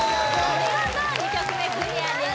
お見事２曲目クリアです